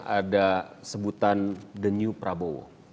ada sebutan the new prabowo